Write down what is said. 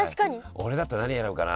俺だったら何選ぶかな。